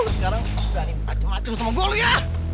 sekarang ganti macem macem sama gue lu ya